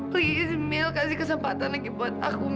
please mil kasih kesempatan lagi buat aku mil